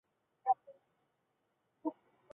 绒毛薄鳞蕨为中国蕨科薄鳞蕨属下的一个种。